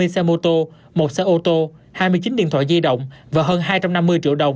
hai mươi xe mô tô một xe ô tô hai mươi chín điện thoại di động và hơn hai trăm năm mươi triệu đồng